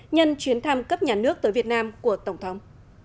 nhân chuyến thăm cấp nhà nước tới việt nam của tổng thống